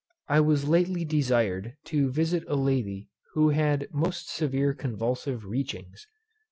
I was lately desired to visit a lady who had most severe convulsive REACHINGS.